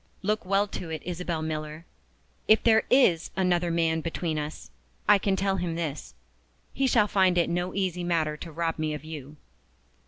Look well to it, Isabel Miller. If there is another man between us, I can tell him this he shall find it no easy matter to rob me of you!"